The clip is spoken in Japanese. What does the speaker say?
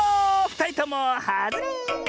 ふたりともはずれ。